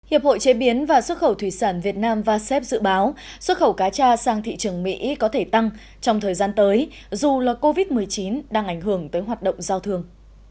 hiệp hội chế biến và xuất khẩu thủy sản việt nam vasep dự báo xuất khẩu cá tra sang thị trường mỹ có thể tăng trong thời gian tới dù là covid một mươi chín đang ảnh hưởng tới hoạt động giao thương